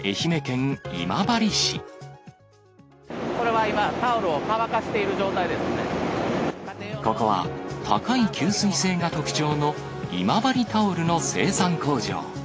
これは今、ここは、高い吸水性が特徴の今治タオルの生産工場。